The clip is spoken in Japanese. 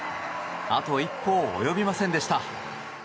あと一歩及びませんでした。